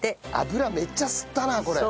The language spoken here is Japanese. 油めっちゃ吸ったなこれ。